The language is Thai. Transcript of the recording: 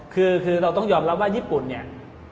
คือเราต้องยอมรับว่าญี่ปุ่นเนี่ย